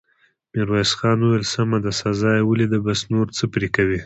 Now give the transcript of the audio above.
ميرويس خان وويل: سمه ده، سزا يې وليده، بس، نور څه پرې کوې!